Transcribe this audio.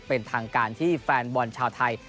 เป็นทางการที่แฟนบอลชาวไทย